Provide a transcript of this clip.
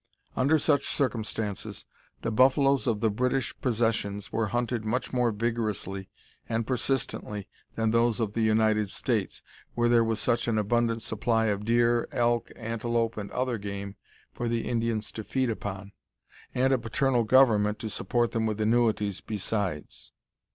Under such circumstances the buffaloes of the British Possessions were hunted much more vigorously and persistently than those of the United States, where there was such an abundant supply of deer, elk, antelope, and other game for the Indians to feed upon, and a paternal government to support them with annuities besides.